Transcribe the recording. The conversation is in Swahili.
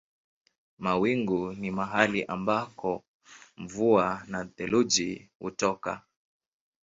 Mawingu ni mahali ambako mvua na theluji hutoka.